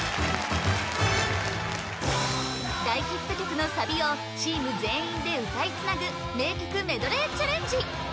大ヒット曲のサビをチーム全員で歌いつなぐ名曲メドレーチャレンジ